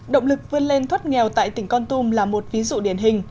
động lực vươn lên thoát nghèo tại tỉnh con tum là một ví dụ điển hình